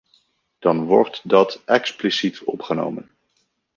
Dan wordt dat expliciet opgenomen.